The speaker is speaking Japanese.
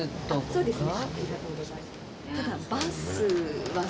そうですね。